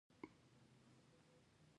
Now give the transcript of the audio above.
زه غوښه خورم